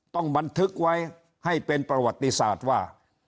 ต้องบันทึกไว้ให้เป็นประวัติศาสตร์ว่า